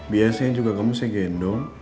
biasanya juga kamu saya gendong